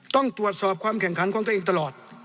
ต้องตรวจสอบความแข่งขันของตัวเองตลอด